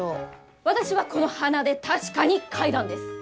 私はこの鼻で確かに嗅いだんです！